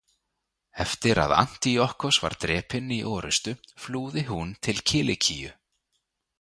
Eftir að Antíokkos var drepinn í orrustu flúði hún til Kilikíu.